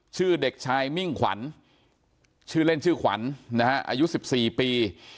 ชื่อเด็กชายมิ่งขวัญชื่อเล่นชื่อขวัญนะฮะอายุ๑๔ปี